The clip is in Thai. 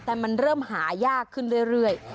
แต่มันเริ่มหายากขึ้นเรื่อย